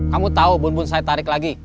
kamu tau bun bun saya tarik lagi